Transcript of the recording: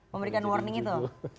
memberikan warning itu